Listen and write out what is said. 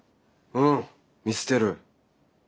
うん見捨てる。